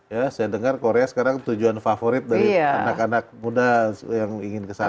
ya saya dengar korea sekarang tujuan favorit dari anak anak muda yang ingin kesana